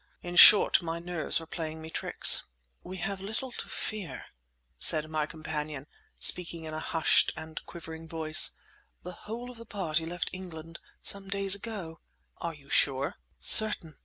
In short, my nerves were playing me tricks. "We have little to fear," said my companion, speaking in a hushed and quivering voice. "The whole of the party left England some days ago." "Are you sure?" "Certain!